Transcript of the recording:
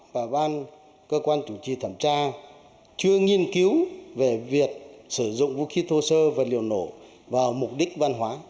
và ban cơ quan chủ trì thẩm tra chưa nghiên cứu về việc sử dụng vũ khí thô sơ vật liệu nổ vào mục đích văn hóa